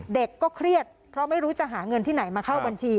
เด็กก็เครียดเพราะไม่รู้จะหาเงินที่ไหนมาเข้าบัญชี